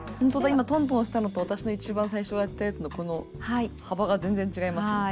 今トントンしたのと私の一番最初やったやつのこの幅が全然違いますね。